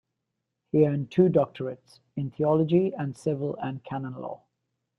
He earned two doctorates, in theology and civil and canon law.